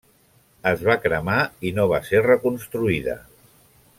Es va cremar i no va ser reconstruïda.